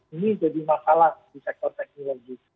ini jadi masalah di sektor teknologi